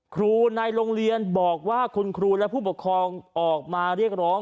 ครูในโรงเรียนบอกว่าคุณครูและผู้ปกครองออกมาเรียกร้อง